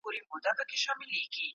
د فلزي صنايعو تاريخ څه ښيي؟